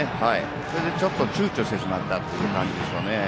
それでちょっとちゅうちょしてしまった感じでしょうね。